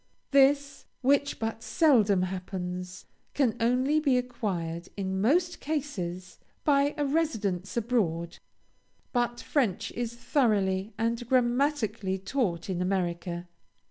This, which but seldom happens, can only be acquired, in most cases, by a residence abroad. But French is thoroughly and grammatically taught in America.